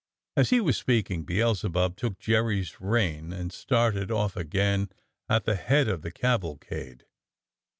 As he was speaking, Beelzebub took Jerry's rein and started off again at the head of the cavalcade.